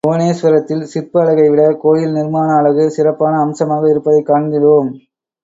புவனேஸ்வரத்தில் சிற்ப அழகைவிட கோயில் நிர்மாண அழகு சிறப்பான அம்சமாக இருப்பதைக் காண்கிறோம்.